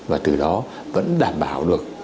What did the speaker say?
và từ đó vẫn đảm bảo được